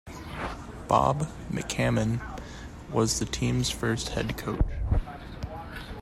Bob McCammon was the team's first head coach.